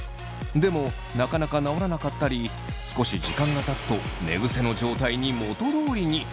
でもなかなか直らなかったり少し時間がたつと寝ぐせの状態に元通りに。